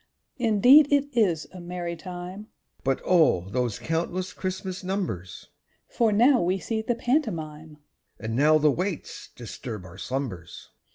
_) Indeed it is a merry time; (But O! those countless Christmas numbers!) For now we see the pantomime, (_And now the waits disturb our slumbers.